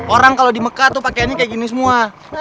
orang kalo di meka tuh pakeannya kayak gini semua